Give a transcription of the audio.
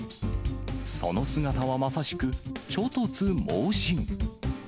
その姿はまさしく、猪突猛進。